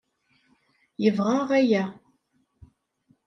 Yebɣa aya.